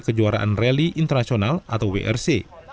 kejuaraan rally internasional atau wrc